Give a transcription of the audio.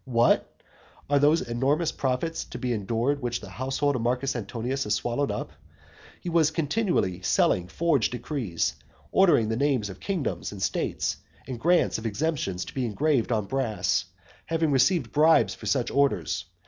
What? are those enormous profits to be endured which the household of Marcus Antonius has swallowed up? He was continually selling forged decrees; ordering the names of kingdoms and states, and grants of exemptions to be engraved on brass, having received bribes for such orders.